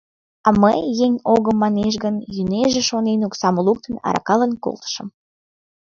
А мый, еҥ «огым» манеш гын, йӱнеже шонен, оксам луктын, аракалан колтышым.